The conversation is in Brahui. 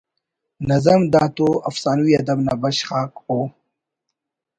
نظم دا تو افسانوی ادب نا بشخ آک ءُ